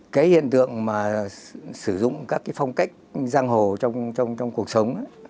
cái hiện tượng mà sử dụng các cái phong cách giang hồ trong cuộc sống